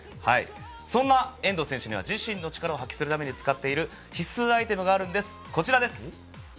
そんな遠藤選手には自身の力を発揮するため使っている必須アイテムがあるんです。